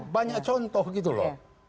banyak contoh gitu loh